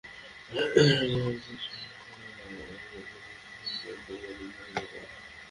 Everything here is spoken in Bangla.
ক্রিকেটে যেকোনো ধরনের শারীরিক সংযোগ যেহেতু সর্বৈব পরিত্যাজ্য বলে বিবেচনা করা হয়।